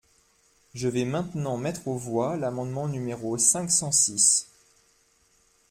Je vais maintenant mettre aux voix l’amendement numéro cinq cent six.